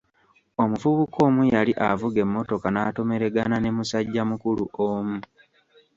Omuvubuka omu yali avuga emmotoka n'atomeregana ne musajja mukulu omu.